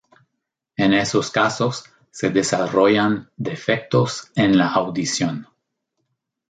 En esos casos se desarrollan defectos en la audición.